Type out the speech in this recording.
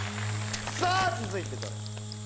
さぁ続いてどれ？